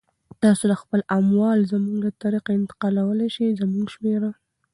تاسو خپل اموال زموږ له طریقه انتقالولای سی، زموږ شمیره